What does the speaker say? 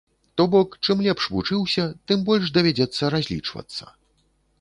То бок, чым лепш вучыўся, тым больш давядзецца разлічвацца.